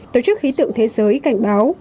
tổ chức khí tượng thế giới cảnh báo